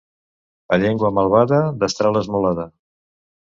A llengua malvada, destral esmolada.